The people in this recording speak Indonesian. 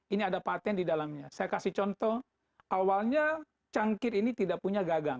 ini ada patent di dalamnya saya kasih contoh awalnya cangkir ini tidak punya gagang